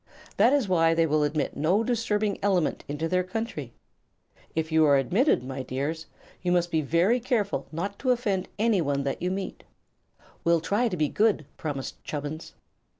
That is why they will admit no disturbing element into their country. If you are admitted, my dears, you must be very careful not to offend any one that you meet." "We'll try to be good," promised Chubbins.